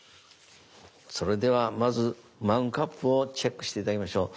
それではまずマグカップをチェックして頂きましょう。